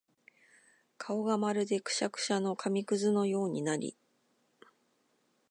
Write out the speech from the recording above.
顔がまるでくしゃくしゃの紙屑のようになり、